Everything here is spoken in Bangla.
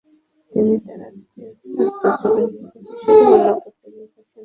তিনি তার আত্মজীবনীতে এই বিষয়টি বর্ণনা করতে গিয়ে লিখেন: